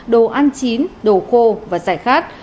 đồ ăn chín đồ khô và giải khát